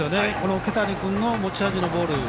桶谷君の持ち味のボール。